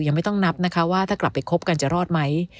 ยังไม่ต้องนับนะคะว่าถ้ากลับไปคบกันจะรอดไหม